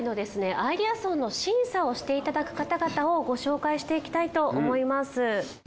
アイデアソンの審査をしていただく方々をご紹介していきたいと思います。